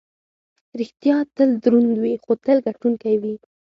ریښتیا تل دروند وي، خو تل ګټونکی وي.